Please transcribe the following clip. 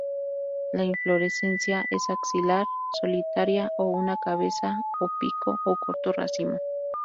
La inflorescencia es axilar solitaria o una cabeza, o pico o corto racimo.